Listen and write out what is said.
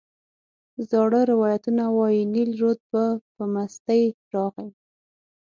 زاړه روایتونه وایي نیل رود به په مستۍ راغی.